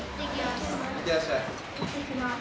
いってきます。